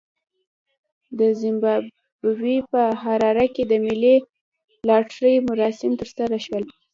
د زیمبابوې په حراره کې د ملي لاټرۍ مراسم ترسره شول.